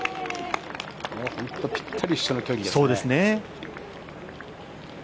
本当ぴったり一緒の距離ですね。